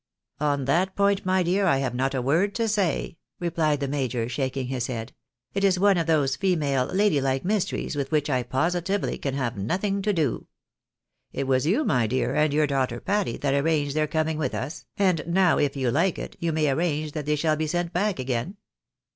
" On that point, my dear, I have not a word to say," replied the major, shaking his head. " It is one of those female, lady hke mysteries with v/hich I positively can have nothing to do. It was you, my dear, and your daughter Patty, that arranged their coming with us, and now, if you like it, you may arrange that they shall be sent back again.